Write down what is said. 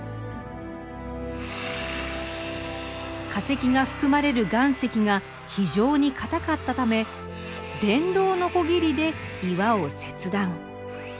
化石が含まれる岩石が非常に硬かったため電動ノコギリで岩を切断。